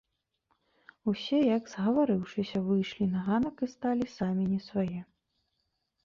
Усе, як згаварыўшыся, выйшлі на ганак і сталі самі не свае.